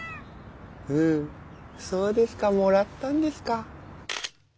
うんそうですかもらったんですか。